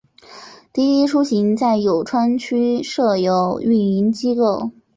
滴滴出行在永川区设有运营机构。